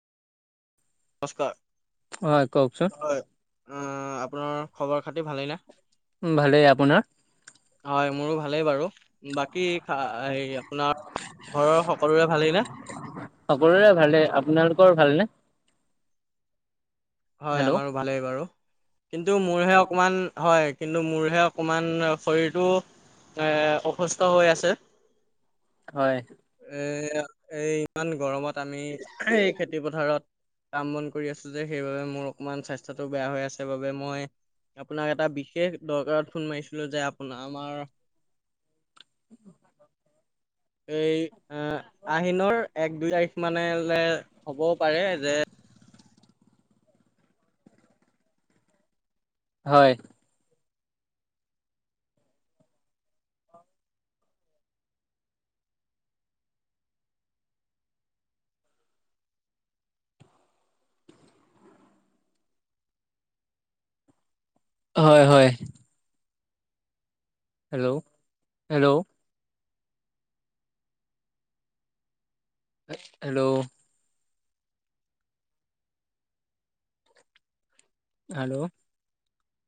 নমস্কাৰ হয় কওকচোন, হয় অহ, আপোনাৰ খবৰ খাতি ভালেনে? ভালেই আপোনাৰ? হয় মোৰো ভালেই বাৰু বাকী হে আপোনাৰ ঘৰৰ সকলোৰে ভালেই নে? সকলোৰে ভালে, আপোনালোকৰ ভাল নে? হয় হেল্ল' আমাৰো ভালেই বাৰু, কিন্তু মোৰহে অকমান হয় কিন্তু মোৰহে অকণমান শৰীৰটো এহ, অসুস্থ হৈ আছে। হয়। এহ, এই ইমান গৰমত আমি এই খেতি পথাৰত কাম বন কৰি আছো যে সেইবাবে মোৰ অকমান স্বাস্থ্যটো বেয়া হৈ আছে বাবে মই আপোনাক এটা বিশেষ দৰকাৰত ফোন মাৰিছিলো যে আপোন আমাৰ এই আ-আহিনৰ এক দুই তাৰিখ মানে হ'বও পাৰে যে হয়। হয়-হয়। Hello, - hello, hello, hello